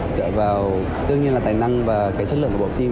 dựa vào tự nhiên là tài năng và cái chất lượng của bộ phim